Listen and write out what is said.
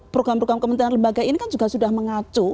program program kementerian lembaga ini kan juga sudah mengacu